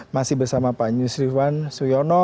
masih bersama pak yusriwan suyono